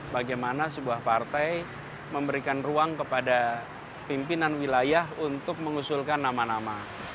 bagaimana sebuah partai memberikan ruang kepada pimpinan wilayah untuk mengusulkan nama nama